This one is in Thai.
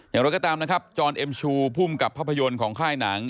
อย่างไรก็ตามนะครับจรเอ็มชูภูมิกับภาพยนตร์ของค่ายหนัง